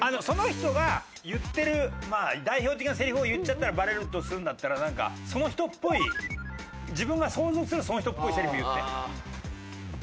その人が言ってるまあ代表的なセリフを言っちゃったらバレるとするんだったらなんかその人っぽい自分が想像するその人っぽいセリフ言って。